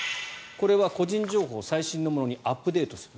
これは個人情報を最新のものにアップデートする。